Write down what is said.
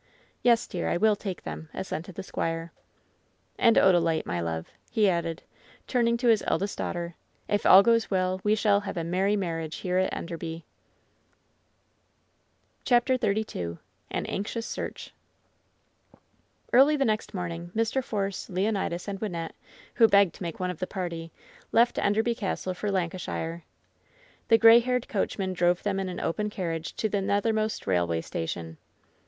"Yes, dear, I will take them," assented the squire. LOVE'S BITTEREST CUP 198 "And, Odalite, my love," he added, turning to his eldest daughter, "if all goes well we shall have a merry mar riage here at Enderby/' CHAPTER XXXII AN ANXIOUS SEABGH Early the next morning Mr. Force, Leonidas and Wynnette, who begged to make one of the party, left Enderby Castle for Lancashire. The gray haired coachman drove them in an open car riage to the Nethermost Railway Station.